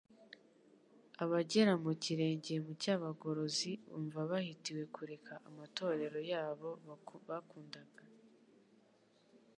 Abagera ikirenge mu cy'abagorozi bumva bahatiwe kureka amatorero yabo bakundaga